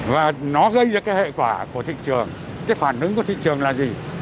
và nó gây ra cái hệ quả của thị trường cái phản ứng của thị trường là gì